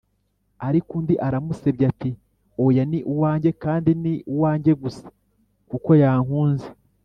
ariko undi aramusebya ati: “oya, ni uwanjye, kandi ni uwanjye gusa, kuko yankunze!”